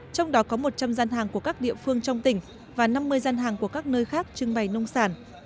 trong đó có một trăm linh gian hàng của các địa phương trong tỉnh và năm mươi gian hàng của các nơi khác trưng bày nông sản